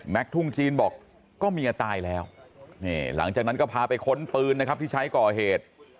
ทุ่งจีนบอกก็เมียตายแล้วหลังจากนั้นก็พาไปค้นปืนนะครับที่ใช้ก่อเหตุ